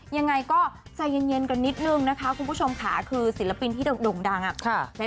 ยังไงก็ใจเย็นกันนิดนึงนะคะคุณผู้ชมค่ะคือศิลปินที่โด่งดัง